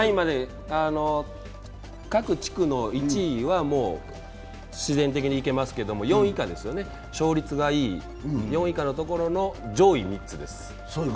各地区の１位はもう必然的に行けますけど、４位以下ですよね、勝率がいい４以下のところの上位になります。